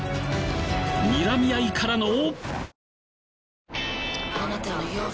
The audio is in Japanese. にらみ合いからの。